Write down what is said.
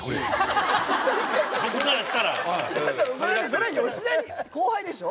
それ吉田に後輩でしょ？